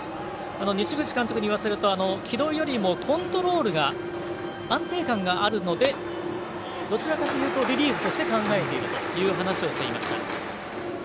西口監督に言わせると城戸よりもコントロールに安定感があるのでどちらかというとリリーフとして考えているという話をしていました。